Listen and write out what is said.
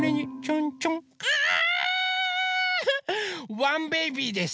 ワンベイビーです。